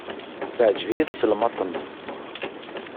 Teɛjeb-iyi tselmadt-nni.